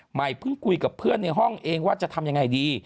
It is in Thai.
ใหม่เพิ่งคุยกับเพื่อนในห้องเองว่าจะทำยังไงดี